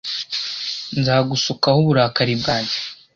nzagusukaho uburakari bwanjye.